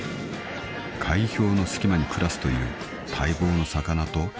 ［海氷の隙間に暮らすという待望の魚と初対面だ］